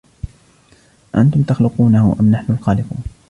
أأنتم تخلقونه أم نحن الخالقون